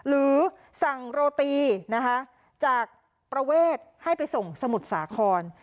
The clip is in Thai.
หรือสั่งโรตีจากประเวทให้ไปส่งสมุดสาคอน